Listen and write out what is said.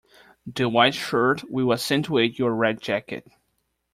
The white shirt will accentuate your red jacket.